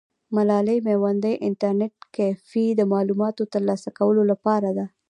ملالۍ میوندي انټرنیټ کیفې د معلوماتو ترلاسه کولو لپاره ده.